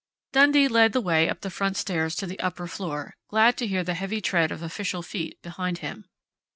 Dundee led the way up the front stairs to the upper floor, glad to hear the heavy tread of official feet behind him.